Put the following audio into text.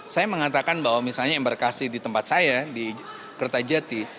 saya mengatakan bahwa misalnya embarkasi di tempat saya di kertajati